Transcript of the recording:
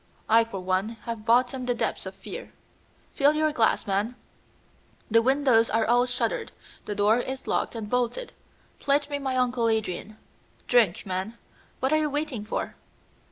I for one have bottomed the depths of fear. Fill your glass, man! The windows are all shuttered, the door is locked and bolted. Pledge me my uncle Adrian! Drink, man! What are you waiting for?"